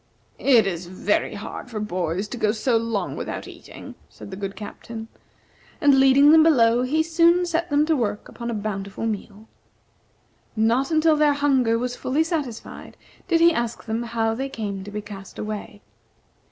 "It is very hard for boys to go so long without eating," said the good Captain. And leading them below, he soon set them to work upon a bountiful meal. Not until their hunger was fully satisfied did he ask them how they came to be cast away.